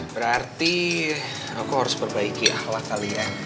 berarti aku harus perbaiki ahlak kali ya